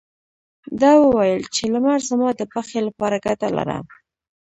ده وويل چې لمر زما د پښې لپاره ګټه لري.